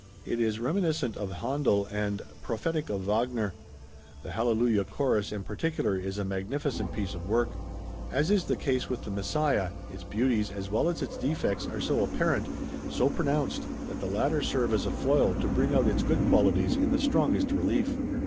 It is reminiscent of Händel and prophetic of Wagner. The Hallelujah Chorus in particular is a magnificent piece of work. As is the case with the Messiah, its beauties as well as its defects are so apparent, so pronounced, that the latter serve as a foil to bring out its good qualities in the strongest relief.